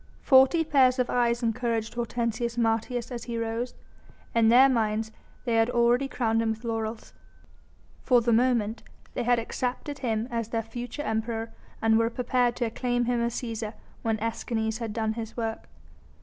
Forty pairs of eyes encouraged Hortensius Martius as he rose. In their minds they had already crowned him with laurels. For the moment they had accepted him as their future Emperor and were prepared to acclaim him as Cæsar when Escanes had done his work.